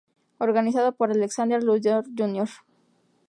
Organizado por Alexander Luthor, Jr.